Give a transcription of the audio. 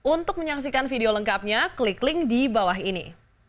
untuk menyaksikan video lengkapnya klik link di bawah ini